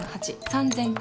３，０００株。